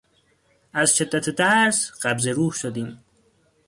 از شدت ترس قبض روح شدیم.